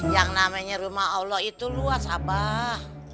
yang namanya rumah allah itu luas abah